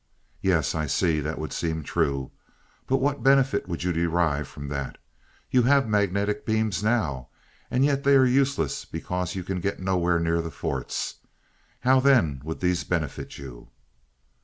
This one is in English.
"Yes, I see that would seem true. But what benefit would you derive from that? You have magnetic beams now, and yet they are useless because you can get nowhere near the forts. How then would these benefit you?"